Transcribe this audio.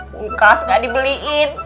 pungkas ga dibeliin